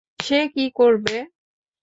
সে কি করবে?